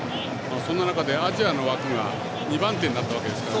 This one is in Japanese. そんな中で、アジアの枠が２番手になったわけですからね。